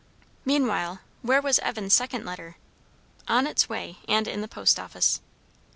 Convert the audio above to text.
Meanwhile, where was Evan's second letter? On its way, and in the post office.